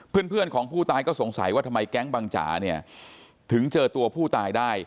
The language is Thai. เพื่อนของผู้ตายก็สงสัยว่าทำไมแก๊งบังจ๋าเนี่ยถึงเจอตัวผู้ตายได้